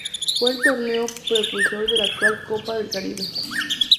Fue el torneo precursor de la actual Copa del Caribe.